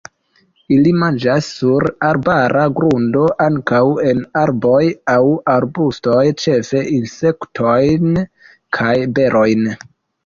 Ili manĝas sur arbara grundo, ankaŭ en arboj aŭ arbustoj, ĉefe insektojn kaj berojn.